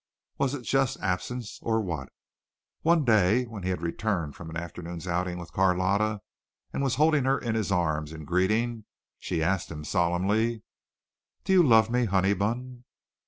Was it just absence, or what? One day when he had returned from an afternoon's outing with Carlotta and was holding her in his arms in greeting, she asked him solemnly: "Do you love me, Honeybun?"